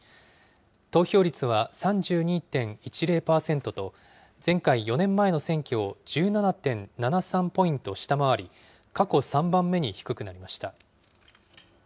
投票率は３２．１０％と、前回・４年前の選挙を１７．７３ポイント下回り、過去３番目に低くなりました。